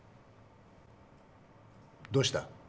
どうした？